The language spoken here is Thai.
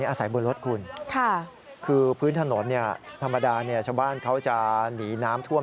อาศัยบนรถคุณคือพื้นถนนธรรมดาชาวบ้านเขาจะหนีน้ำท่วม